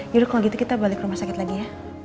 yaudah kalau gitu kita balik ke rumah sakit lagi ya